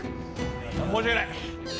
申し訳ない。